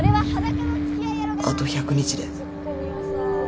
あと１００日で